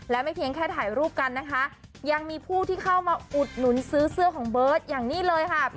และไม่เพียงแค่ถ่ายรูปกันนะคะยังมีผู้ที่เข้ามาอุดหนุนซื้อเสื้อของเบิร์ตอย่างนี้เลยค่ะ